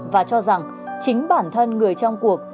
và cho rằng chính bản thân người trong cuộc